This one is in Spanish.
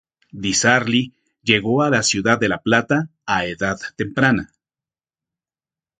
Di Sarli llegó a la ciudad de La Plata a edad temprana.